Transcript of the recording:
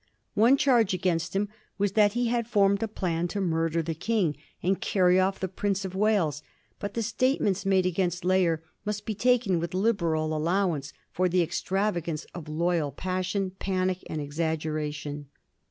One charge against him was that he had formed a plan to murder the King and carry off the Prince of Wales ; but the statements made against Layer must be taken with liberal allowance for the extravagance of loyal passion, panic, and exaggeration.